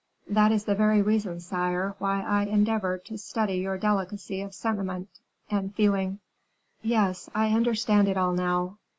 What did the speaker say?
"That is the very reason, sire, why I endeavored to study your delicacy of sentiment and feeling." "Yes, I understand it all now.